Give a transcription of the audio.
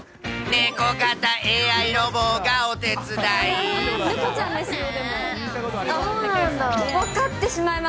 猫型ＡＩロボがお手伝い。